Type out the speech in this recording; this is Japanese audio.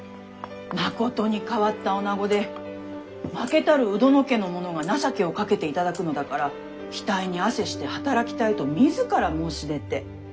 まことに変わったおなごで負けたる鵜殿家の者が情けをかけていただくのだから額に汗して働きたいと自ら申し出て。